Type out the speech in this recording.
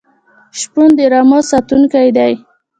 شپون د رمو ساتونکی دی.